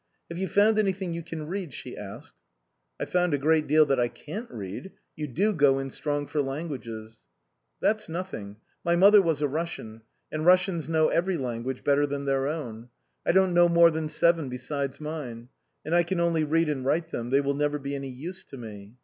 " Have you found anything you can read ?" she asked. "I've found a great deal that I can't read. You do go in strong for languages." " That's nothing ; my mother was a Russian, and Russians know every language better than their own. I don't know more than seven besides mine. And I can only read and write them. They will never be any use to me."